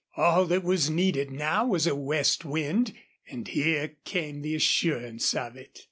All that was needed now was a west wind. And here came the assurance of it.